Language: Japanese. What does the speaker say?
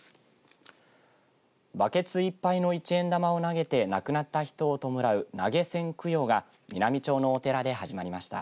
バケツいっぱいの一円玉を投げて亡くなった人を弔う投げ銭供養が美波町のお寺で始まりました。